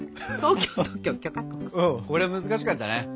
うんこれ難しかったね。